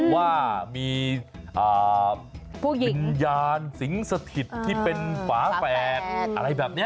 ว่ามีวิญญาณสิงสถิตที่เป็นฝาแฝดอะไรแบบนี้